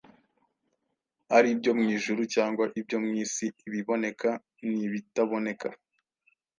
ari ibyo mu ijuru cyangwa ibyo mu isi, ibiboneka n’ibitaboneka,